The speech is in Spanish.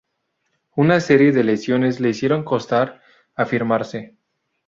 Una serie de lesiones le hicieron costar afirmarse.